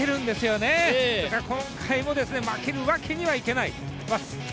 ですから、今回も負けるわけにはいかない。